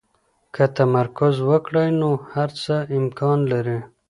که تمرکز وکړئ، نو هر څه امکان لري.